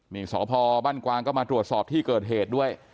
นี่สพบ้านกวางก็มาตรวจสอบที่เกิดเหตุด้วย